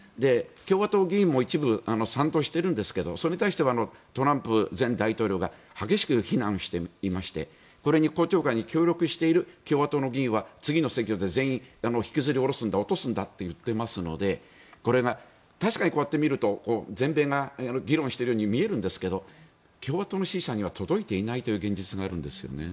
共和党議員も一部賛同しているんですがそれに対してはトランプ前大統領が激しく非難していましてこれに公聴会に協力している共和党の議員は次の選挙で全員引きずり下ろすんだ落とすんだと言ってますのでこれが確かにこうやって見ると全米が議論しているように見えるんですが共和党の支持者には届いていないという現実があるんですね。